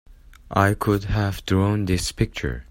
I could have drawn this picture!